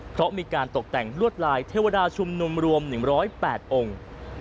เพราะมีการตกแต่งลวดลายเทวดาชุมนุมรวม๑๐๘องค์